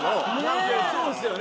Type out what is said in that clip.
そうですよね。